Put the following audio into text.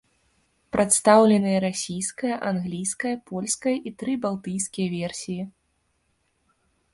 Прадстаўленыя расійская, англійская, польская і тры балтыйскія версіі.